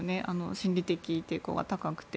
心理的抵抗が高くて。